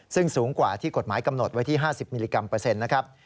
ซึ่งสูงกว่าที่กฎหมายกำหนดไว้ที่๕๐มิลลิกรัมเปอร์เซ็นต์นะครับ